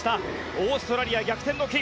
オーストラリア、逆転の金。